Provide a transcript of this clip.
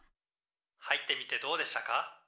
「入ってみてどうでしたか？」。